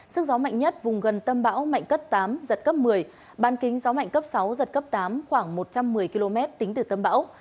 sức gió mạnh nhất vùng gần tâm bão mạnh cấp tám giật cấp một mươi ban kính gió mạnh cấp sáu giật cấp tám khoảng một trăm một mươi km tính từ tâm bão